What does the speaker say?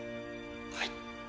はい。